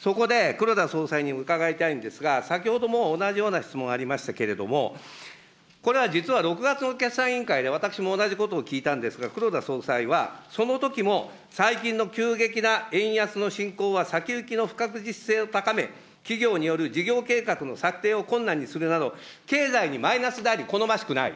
そこで黒田総裁に伺いたいんですが、先ほども同じような質問ありましたけれども、これは実は６月の決算委員会で、私も同じことを聞いたんですが、黒田総裁は、そのときも、最近の急激な円安の進行は先行きの不確実性を高め、企業による事業計画の策定を困難にするなど、経済にマイナスであり、好ましくない。